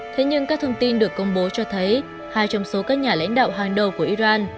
thế nhưng các thông tin được công bố cho thấy hai trong số các nhà lãnh đạo hàng đầu của iran